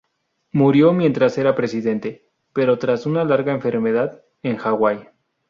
Murió mientras era presidente, pero tras una larga enfermedad, en Hawaii.